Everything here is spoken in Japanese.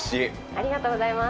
ありがとうございます。